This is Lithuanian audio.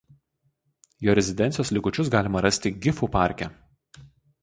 Jo rezidencijos likučius galima rasti Gifu parke.